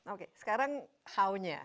oke sekarang how nya